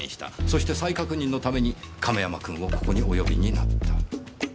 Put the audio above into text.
そして再確認のために亀山君をここにお呼びになった。